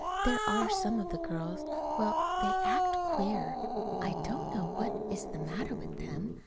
There are some of the girls well, they act queer. I don't know what is the matter with them.